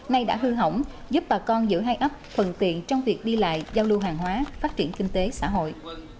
nay đã hư hỏng giúp bà con giữa hai ấp thuận tiện trong việc đi lại giao lưu hàng hóa phát triển kinh tế xã hội